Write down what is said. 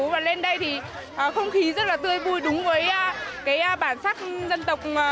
và lên đây thì không khí rất là tươi vui đúng với cái bản sắc dân tộc